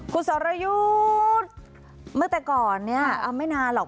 คุณสรยุทธ์เมื่อแต่ก่อนเนี่ยไม่นานหรอก